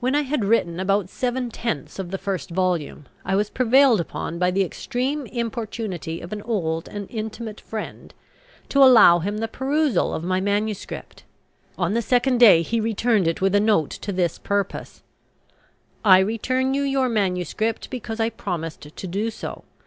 When I had written about seven tenths of the first volume, I was prevailed upon by the extreme importunity of an old and intimate friend to allow him the perusal of my manuscript. On the second day he returned it with a note to this purpose: "I return you your manuscript, because I promised to do so.